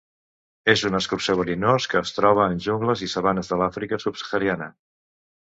És un escurçó verinós que es troba en jungles i sabanes de l'Àfrica subsahariana.